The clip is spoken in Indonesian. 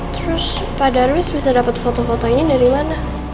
terus pak darwis bisa dapat foto foto ini dari mana